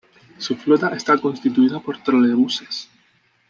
Su flota está constituida por trolebuses.